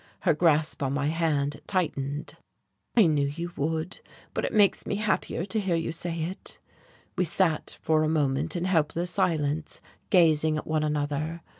Her grasp on my hand tightened. "I knew you would. But it makes me happier to hear you say it." We sat for a moment in helpless silence, gazing at one another.